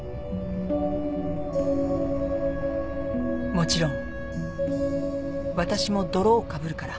もちろんわたしも泥をかぶるから。